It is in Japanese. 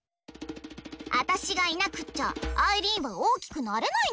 あたしがいなくっちゃアイリーンは大きくなれないんだからね！